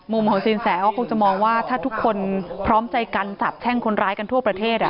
ของสินแสก็คงจะมองว่าถ้าทุกคนพร้อมใจกันสาบแช่งคนร้ายกันทั่วประเทศ